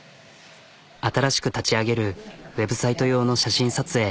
新しく立ち上げるウェブサイト用の写真撮影。